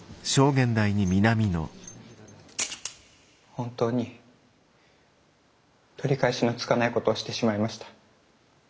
本当に取り返しのつかないことをしてしまいました。